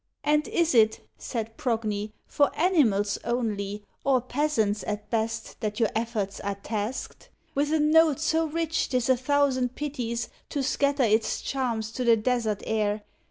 "And is it," said Progne, "for animals only, Or peasants at best, that your efforts are tasked? With a note so rich 'tis a thousand pities To scatter its charms to the desert air.